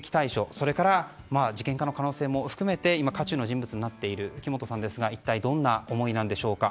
それから事件の可能性も含めて今、渦中の人物になっている木本さんですが一体、どんな思いなんでしょうか。